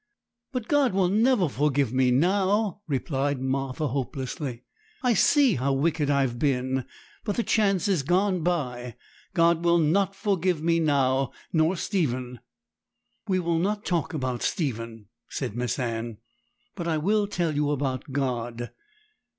'But God will never forgive me now,' replied Martha hopelessly; 'I see how wicked I have been, but the chance is gone by. God will not forgive me now; nor Stephen.' 'We will not talk about Stephen,' said Miss Anne; 'but I will tell you about God.